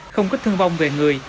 không có thương vong về người